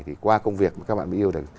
thì qua công việc các bạn bị yêu